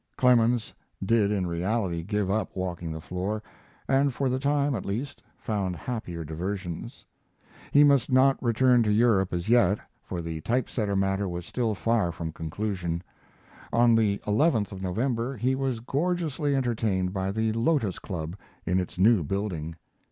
Clemens did in reality give up walking the floor, and for the time, at least, found happier diversions. He must not return to Europe as yet, for the type setter matter was still far from conclusion. On the 11th of November he was gorgeously entertained by the Lotos Club in its new building.